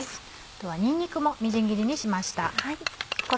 あとはにんにくもみじん切りにしました。